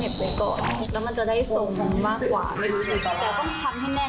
โฟล์สวยเลยครับโฟล์มันสวยกว่าเทนต์